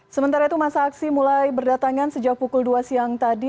sementara itu masa aksi mulai berdatangan sejak pukul dua siang tadi